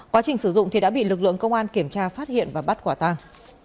quá trình sử dụng thì đã bị lực lượng công an kiểm tra phát hiện và bắt quả tàng